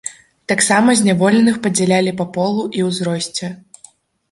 Таксама зняволеных падзялялі па полу і ўзросце.